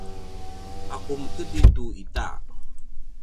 ’aku mekedri tu ita?